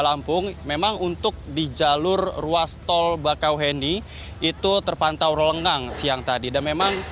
lampung memang untuk di jalur ruas tol bakauheni itu terpantau rolengang siang tadi dan memang